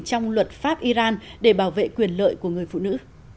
trong luật pháp iran để bảo vệ quyền lợi của người phụ nữ